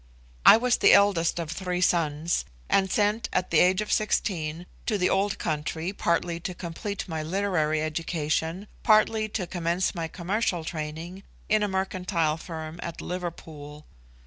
I was the eldest of three sons, and sent at the age of sixteen to the old country, partly to complete my literary education, partly to commence my commercial training in a mercantile firm at Liverpool.